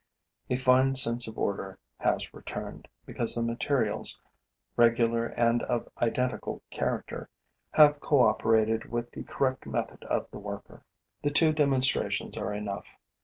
A fine sense of order has returned, because the materials, regular and of identical character, have cooperated with the correct method of the worker. The two demonstrations are enough.